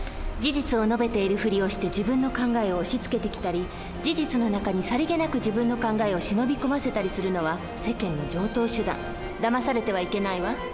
事実を述べているふりをして自分の考えを押しつけてきたり事実の中にさりげなく自分の考えを忍び込ませたりするのは世間の常とう手段。だまされてはいけないわ。